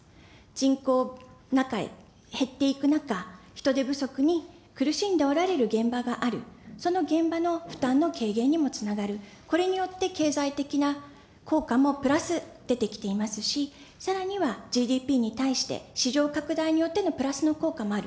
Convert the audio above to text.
じんこうなかい、減っていく中、人手不足に苦しんでおられる現場がある、その現場の負担の軽減にもつながる、これによって経済的な効果もプラス出てきていますし、さらにはＧＤＰに対して市場拡大によってのプラスの効果もある。